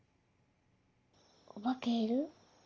お化けいる？